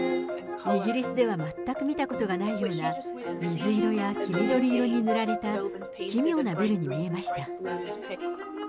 イギリスでは全く見たことがないような、水色や黄緑色に塗られた奇妙なビルに見えました。